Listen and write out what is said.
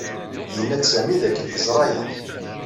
Yenna-d Sami dakken yeẓra aya.